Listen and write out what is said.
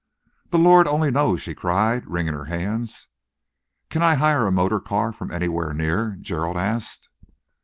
"The Lord only knows!" she cried, wringing her hands. "Can I hire a motor car from anywhere near?" Gerald asked.